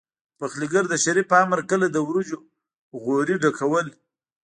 پخليګر د شريف په امر کله د وريجو غوري ډکول.